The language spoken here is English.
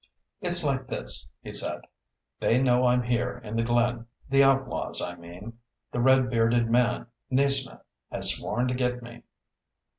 "It's like this," he said. "They know I'm here in the glen the outlaws, I mean. The red bearded man, Naysmith, has sworn to get me."